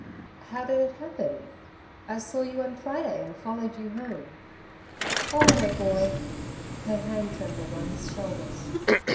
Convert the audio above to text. "How did it happen? I saw you on Friday and followed you home." "Oh, my boy!" Her hand trembled on his shoulders.